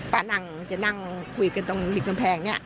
ปะนั่งจะนั่งคุยกันตรงหลีกแผงเนี่ย